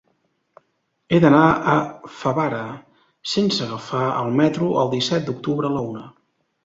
He d'anar a Favara sense agafar el metro el disset d'octubre a la una.